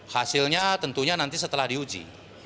hasilnya tentunya nanti setelah diuji